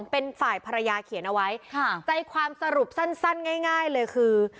เป็นฝ่ายภรรยาเขียนเอาไว้ค่ะใจความสรุปสั้นง่ายเลยคือ